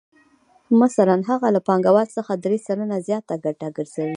مثلاً هغه له پانګوال څخه درې سلنه زیاته ګټه ګرځوي